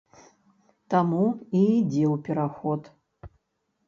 Таму і ідзе ў пераход.